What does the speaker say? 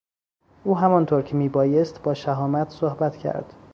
او همان طور که میبایست با شهامت صحبت کرد.